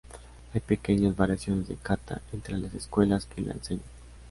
Hay pequeñas variaciones de "kata" entre las escuelas que la enseñan.